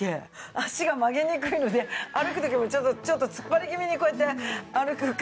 脚が曲げにくいので歩く時もちょっと突っ張り気味にこうやって歩く感じですよね。